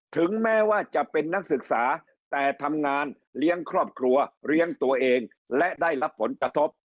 ถึงแม้ว่าจะเป็นนักศึกษาแต่ทำงานเลี้ยงครอบครัวเลี้ยงตัวเองและได้รับผลกระทบ